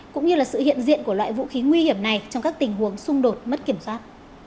cũng như là sự hiện diện của loại vũ khí nguy hiểm này trong các tình huống xung đột mất kiểm soát